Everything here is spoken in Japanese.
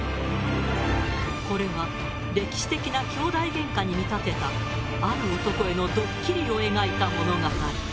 これは歴史的な兄弟げんかに見立てたある男へのドッキリを描いた物語。